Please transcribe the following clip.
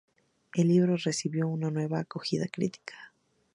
El libro recibió una buena acogida crítica.